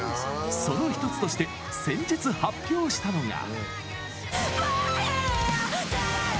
その一つとして先日発表したのが。